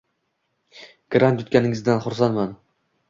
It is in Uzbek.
Grant yutganingdan xursandman